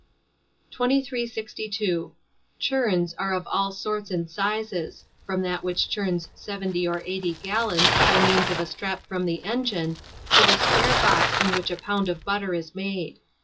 2362. Churns are of all sorts and sizes, from that which churns 70 or 80 gallons by means of a strap from the engine, to the square box in which a pound of butter is made.